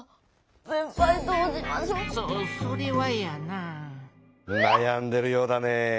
なやんでるようだねえ。